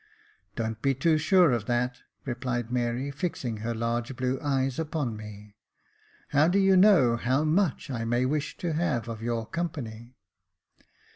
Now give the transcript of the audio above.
" Don't be too sure of that," replied Mary, fixing her large blue eyes upon me ;" how do you know how much I may wish to have of your company